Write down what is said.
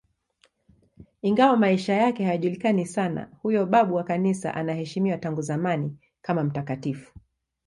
Ingawa maisha yake hayajulikani sana, huyo babu wa Kanisa anaheshimiwa tangu zamani kama mtakatifu.